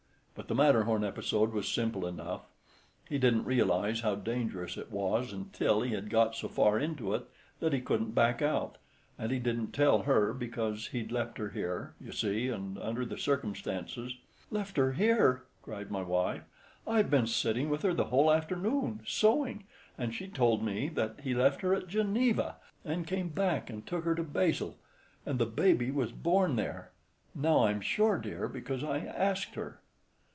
But the Matterhorn episode was simple enough. He didn't realize how dangerous it was until he had got so far into it that he couldn't back out; and he didn't tell her, because he'd left her here, you see, and under the circumstances——" "Left her here!" cried my wife. "I've been sitting with her the whole afternoon, sewing, and she told me that he left her at Geneva, and came back and took her to Basle, and the baby was born there—now I'm sure, dear, because I asked her."